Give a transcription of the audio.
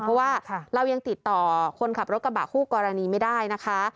เพราะว่าเรายังติดต่อคนขับรถกระบะคู่กรณีไม่ได้นะคะ